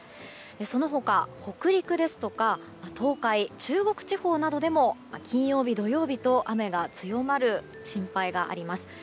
その他、北陸ですとか東海、中国地方などでも金曜日、土曜日と雨が強まる心配があります。